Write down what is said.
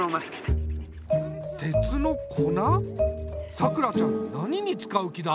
さくらちゃん何に使う気だ？